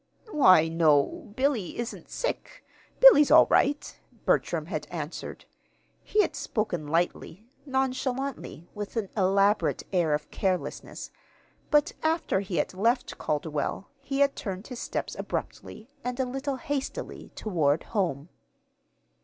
"Why, no, Billy isn't sick. Billy's all right," Bertram had answered. He had spoken lightly, nonchalantly, with an elaborate air of carelessness; but after he had left Calderwell, he had turned his steps abruptly and a little hastily toward home.